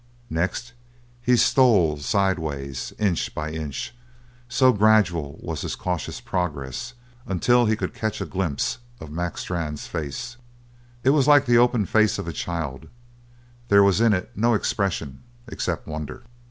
Next he stole sideways, inch by inch, so gradual was his cautious progress, until he could catch a glimpse of Mac Strann's face. It was like the open face of a child; there was in it no expression except wonder.